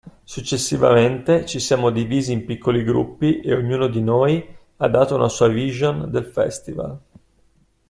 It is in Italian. Successivamente, ci siamo divisi in piccoli gruppi e ognuno di noi ha dato una sua vision del festival.